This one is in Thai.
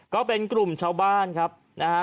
ก็เป็นกลุ่มชาวบ้านครับนะฮะ